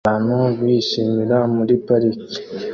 Abantu bishimira muri parike